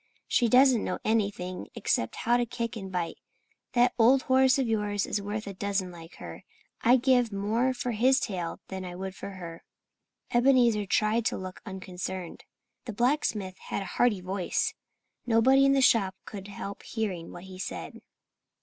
She doesn't know anything except how to kick and bite. That old horse of yours is worth a dozen like her. I'd give more for his tail than I would for her." Ebenezer tried to look unconcerned. The blacksmith had a hearty voice. Nobody in the shop could help hearing what he said.